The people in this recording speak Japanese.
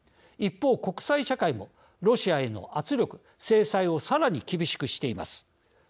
一方、国際社会もロシアへの圧力制裁をさらに厳しくしています。